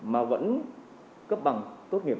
mà vẫn cấp bằng tốt nghiệp